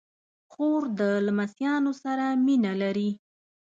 خور د لمسيانو سره مینه لري.